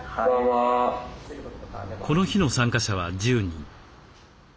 この日の参加者は１０人。